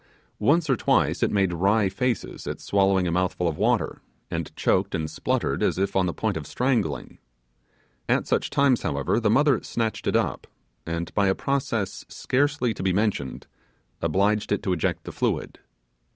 Once or twice it made wry faces at swallowing a mouthful of water, and choked a spluttered as if on the point of strangling. At such times however, the mother snatched it up and by a process scarcely to be mentioned obliged it to eject the fluid.